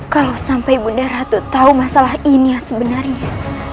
kalau sampai bunda ratu tahu masalah ini yang sebenarnya